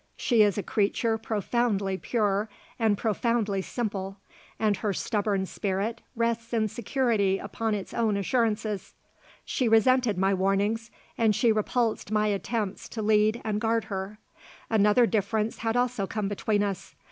She is a creature profoundly pure and profoundly simple and her stubborn spirit rests in security upon its own assurances. She resented my warnings and she repulsed my attempts to lead and guard her. Another difference had also come between us.